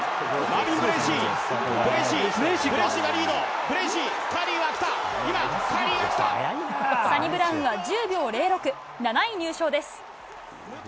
今、カーリーがサニブラウンは１０秒０６、７位入賞です。